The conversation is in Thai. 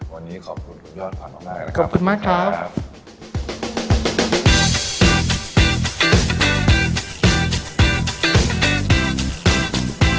วันนี้ขอบคุณยอดพันธ์ของนายนะครับ